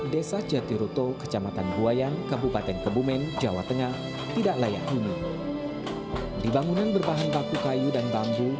pemerintah untuk hidup layak